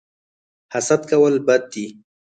حسد کول بد دي